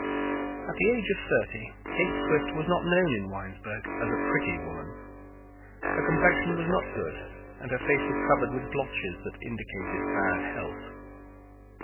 At the age of thirty Kate Swift was not known in Winesburg as a pretty woman. Her complexion was not good and her face was covered with blotches that indicated ill health.